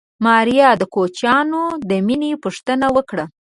ماريا د کوچيانو د مېنې پوښتنه وکړه.